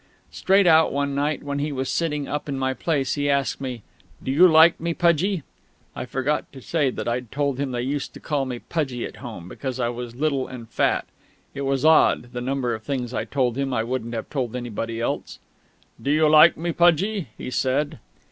Straight out one night, when he was sitting up in my place, he asked me: "Do you like me, Pudgie?" (I forgot to say that I'd told him they used to call me Pudgie at home, because I was little and fat; it was odd, the number of things I told him that I wouldn't have told anybody else.) "Do you like me, Pudgie?" he said.